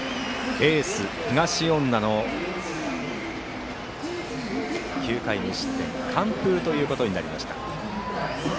エース東恩納の９回無失点完封ということになりました。